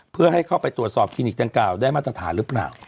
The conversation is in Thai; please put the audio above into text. เพื่อให้เข้าไปตรวจสอบคลินิกดังกล่าวได้มาตรฐานหรือเปล่า